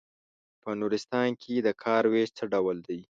په نورستان کې د کار وېش څه ډول دی.